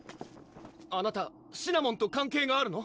あなたシナモンと関係があるの？